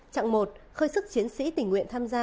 trạng một khơi sức chiến sĩ tình nguyện tham gia